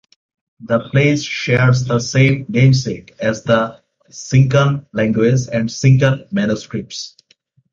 The place shares the same namesake as the Sinckan language and Sinckan Manuscripts.